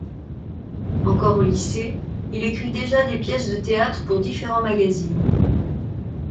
Encore au lycée, il écrit déjà des pièces de théâtre pour différents magazines.